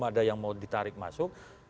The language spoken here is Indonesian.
ada yang mau ditarik masuk